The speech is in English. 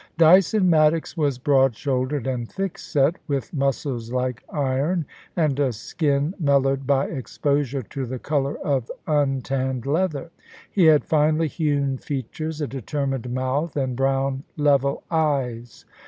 Dyson Maddox was broad shouldered and thick set, with muscles like iron, and a skin mellowed by exposure to the colour of untanned leather. He had finely hewn features^ a determined mouth, and brown, level eyes.